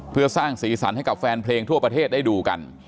เพื่อสร้างสีสันให้กับแฟนเพลงทั่วประเทศได้ดูกัน